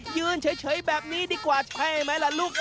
ยืนเฉยแบบนี้ดีกว่าใช่ไหมล่ะลูก